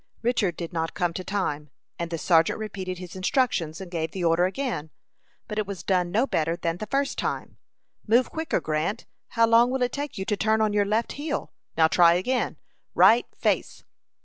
Richard did not come to time, and the sergeant repeated his instructions, and gave the order again; but it was done no better than the first time. "Move quicker, Grant. How long will it take you to turn on your left heel? Now, try again. Right face!"